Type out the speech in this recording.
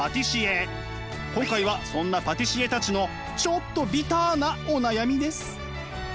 今回はそんなパティシエたちのちょっとビターなお悩みです。